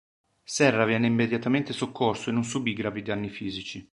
Serra venne immediatamente soccorso e non subì gravi danni fisici.